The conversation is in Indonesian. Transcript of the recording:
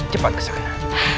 cepat ke sana